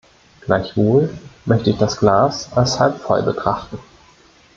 Gleichwohl möchte ich das Glas als halb voll betrachten.